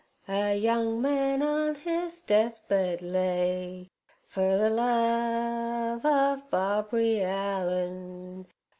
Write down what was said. A young man on his death bed lay Fer ther love ov Barbary Ellen.